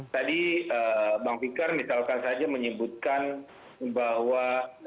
tadi bang fikar misalkan saja menyebutkan bahwa